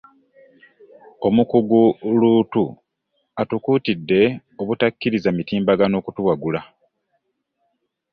Omukugu Luutu atukuutidde obutakkiriza mitimbagano kutuwagula